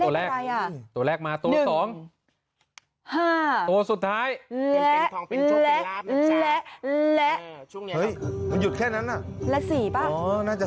ตัวแรกมาตัวสองดูสุดท้ายและ